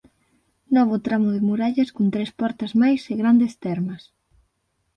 Novo tramo de murallas con tres portas máis e grandes termas.